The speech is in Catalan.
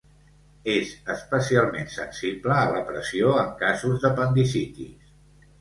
És especialment sensible a la pressió en casos d'apendicitis.